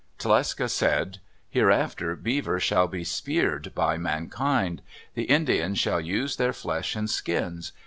Tlecsa said, "Hereafter beaver shall be speared by mankind. The Indians shall use their flesh and skins.